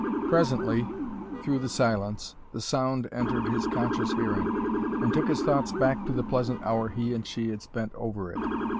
Presently, through the silence, the sound entered his conscious hearing, and took his thoughts back to the pleasant hour he and she had spent over it.